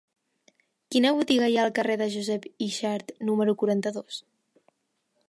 Quina botiga hi ha al carrer de Josep Yxart número quaranta-dos?